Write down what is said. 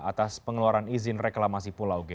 atas pengeluaran izin reklamasi pulau g